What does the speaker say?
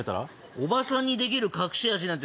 おばさんにできる隠し味なんて